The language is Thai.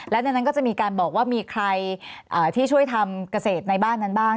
และในนั้นก็จะมีการบอกว่ามีใครที่ช่วยทำเกษตรในบ้านนั้นบ้าง